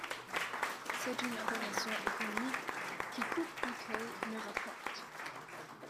C’est une aberration économique, qui coûte plus qu’elle ne rapporte.